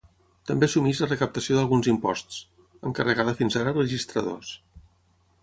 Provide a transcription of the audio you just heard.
També assumeix la recaptació d’alguns imposts, encarregada fins ara a registradors.